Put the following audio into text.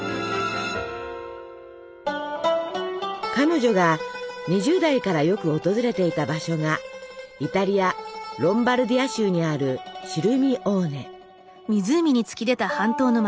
彼女が２０代からよく訪れていた場所がイタリアロンバルディア州にあるシルミオーネ。